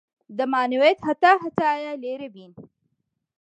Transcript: دەمانەوێت هەتا هەتایە لێرە بین.